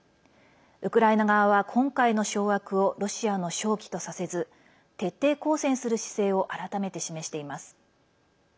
ウクライナ側は今回の掌握をロシアの勝機とさせず徹底抗戦する姿勢を改めて示しています。